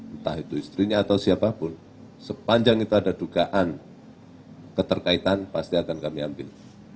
entah itu istrinya atau siapapun sepanjang itu ada dugaan keterkaitan pasti akan kami ambil